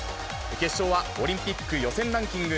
決勝はオリンピック予選ランキング